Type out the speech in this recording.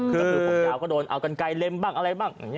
ก็คือผมยาวก็โดนเอากันไกลเล็มบ้างอะไรบ้าง